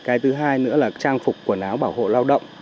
cái thứ hai nữa là trang phục quần áo bảo hộ lao động